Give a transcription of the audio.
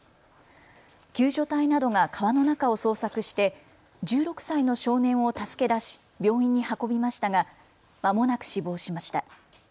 救助隊などが川の中を捜索して１６歳の少年を助け出し病院に運びましたが、まもなく死亡しました。